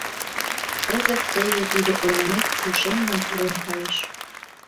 Кызыт теве тиде ойлымет ушемлан пурен кайыш...